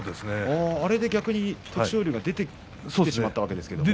あれで逆に徳勝龍が出てしまったわけですけれども。